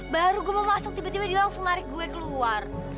baru gue mau masuk tiba tiba dia langsung lari gue keluar